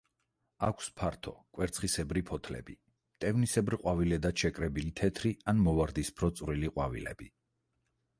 აქვს ფართო კვერცხისებრი ფოთლები, მტევნისებრ ყვავილედად შეკრებილი თეთრი ან მოვარდისფრო წვრილი ყვავილები.